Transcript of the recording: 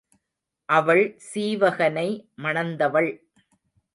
அவள் சீவகனை மணந்தவள்.